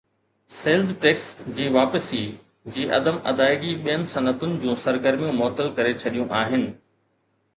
sales tax جي واپسي جي عدم ادائيگي ٻين صنعتن جون سرگرميون معطل ڪري ڇڏيون آهن